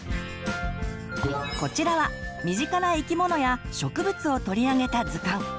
こちらは身近な生き物や植物を取り上げた図鑑。